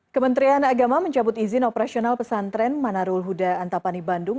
kementerian agama mencabut izin operasional pesantren manarul huda antapani bandung